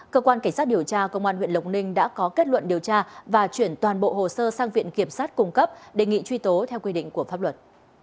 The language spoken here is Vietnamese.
cơ quan cảnh sát điều tra công an huyện lộc ninh đã có kết luận điều tra và chuyển toàn bộ hồ sơ sang viện kiểm sát cung cấp đề nghị truy tố theo quy định của pháp luật